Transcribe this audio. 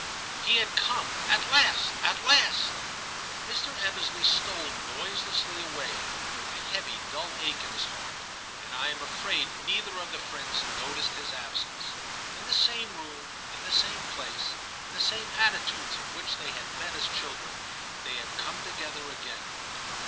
He had come — at last, at last ! Mr. Ebbesley stole noiselessly away, with a heavy dull ache in his heart, and I am afraid neither of the friends noticed his absence. In the same room, in the same place, in the same attitudes in which they had met as children, they had come together again.